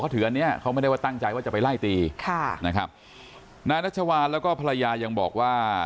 ตั้งใจว่าจะไปไล่ตีค่ะนะครับนายนักชาวาแล้วก็ภรรยายังบอกว่า